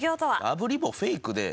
あぶり棒フェイクで。